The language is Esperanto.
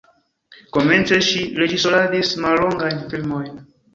Komence ŝi reĝisoradis mallongajn filmojn.